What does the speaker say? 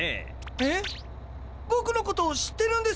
えっボクのことを知ってるんですか？